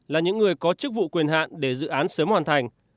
là những người có chức vụ quyền hạn để dự án sớm hoàn thành